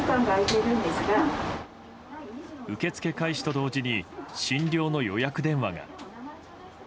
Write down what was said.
受け付け開始と同時に診療の予約電話が。